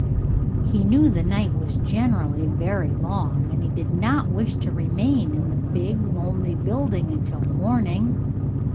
He knew the night was generally very long and he did not wish to remain in the big, lonely building until morning.